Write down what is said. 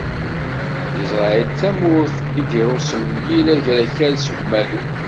Israyil d tamurt i d-irusem yill Agrakal seg umalu.